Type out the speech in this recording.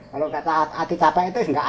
kalau kata arti capek itu nggak ada